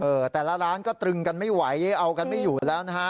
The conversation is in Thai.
แต่ละร้านก็ตรึงกันไม่ไหวเอากันไม่อยู่แล้วนะฮะ